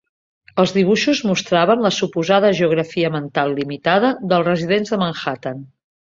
Els dibuixos mostraven la suposada geografia mental limitada dels residents de Manhattan.